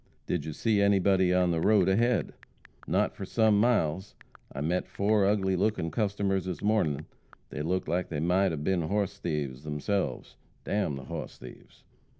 "Did you see anybody on the road ahead?" "Not for sum miles. I met four ugly lookin' customers this mornin'. They looked like they might 'a been hoss thieves theirselves. D n the hoss thieves!"